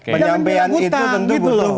penyampaian itu tentu butuh